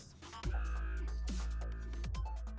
mereka membuat produk kaos